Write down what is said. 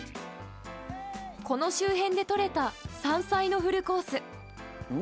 この周辺で採れた山菜のフルコース。